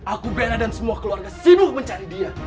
aku bella dan semua keluarga sibuk mencari dia